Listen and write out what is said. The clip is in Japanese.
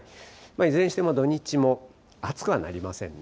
いずれにしても土日も暑くはなりませんね。